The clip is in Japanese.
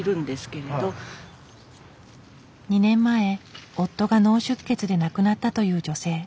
２年前夫が脳出血で亡くなったという女性。